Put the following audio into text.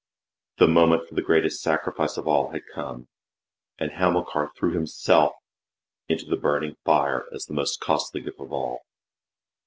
The moment for the greatest sacrifice of all had come. And Hamilcar threw himself into the burn ing fire as the most costly gift of all."